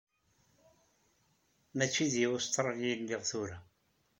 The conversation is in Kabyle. Mačči deg Ustṛalya i lliɣ tura.